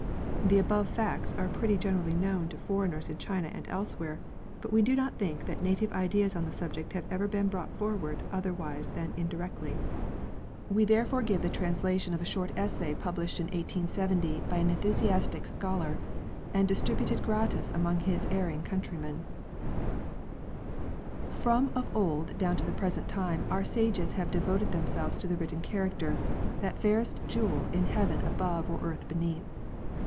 The above facts are pretty generally known to foreigners in China and elsewhere, but we do not think that native ideas on the subject have ever been brought forward otherwise than indirectly. We therefore give the RESPECT FOR THE WRITTEN CHARACTER. 93 translation of a short essay published in 1870 by an enthusiastic scholar, and distributed gratis among his erring countrymen :—*' From of old down to the present time our sages have devoted themselves to the written character — that fairest jewel in heaven above or earth beneath.